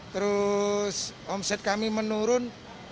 terus omset kami menurun